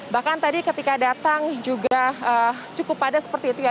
bahkan tadi ketika datang juga cukup padat seperti itu ya